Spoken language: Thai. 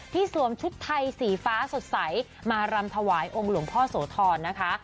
สวมชุดไทยสีฟ้าสดใสมารำถวายองค์หลวงพ่อโสธรนะคะ